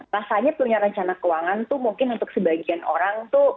rasanya punya rencana keuangan tuh mungkin untuk sebagian orang tuh